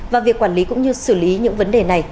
và việc quản lý cũng như xử lý những vấn đề này